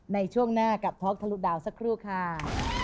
ในช่วงหน้ากับท็อกทะลุดาวสักครู่ค่ะ